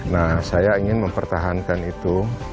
nah saya ingin mempertahankan itu